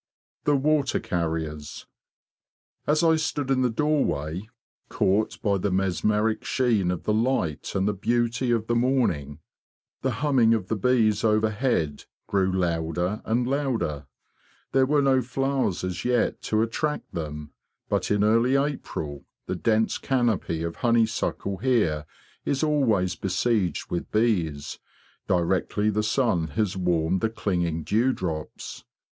The Water carriers As I stood in the doorway, caught by the mesmeric sheen of the light and the beauty of the morning, the 198 THE BEE MASTER OF WARRILOW humming of the bees overhead grew louder and louder. There were no flowers as yet to attract them, but in early April the dense canopy of honey suckle here is always besieged with bees, directly the sun has warmed the clinging dewdrops.